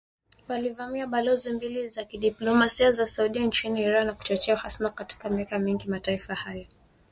Walivamia balozi mbili za kidiplomasia za Saudi nchini Iran, na kuchochea uhasama wa miaka mingi kati ya mataifa hayo.